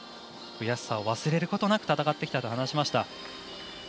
悔しさを忘れることなく戦ってきたと話しました。